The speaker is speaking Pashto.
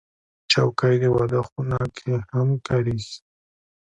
چوکۍ د واده خونه کې هم کارېږي.